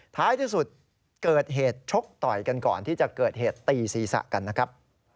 ท้ายที่สุดเกิดเหตุชกต่อยกันก่อนที่จะเกิดเหตุตีศีรษะกันนะครับ